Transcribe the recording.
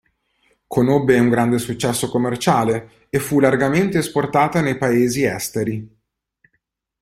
Conobbe un grande successo commerciale e fu largamente esportata nei paesi esteri.